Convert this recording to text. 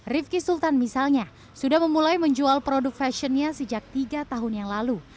rifki sultan misalnya sudah memulai menjual produk fashionnya sejak tiga tahun yang lalu